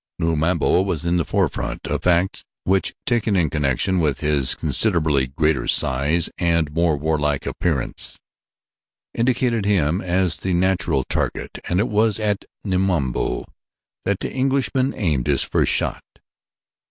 Numabo was in the forefront, a fact which taken in connection with his considerably greater size and more warlike appearance, indicated him as the natural target and it was at Numabo that the Englishman aimed his first shot.